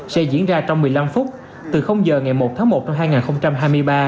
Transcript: sẽ diễn ra trong một mươi năm phút từ giờ ngày một tháng một năm hai nghìn hai mươi ba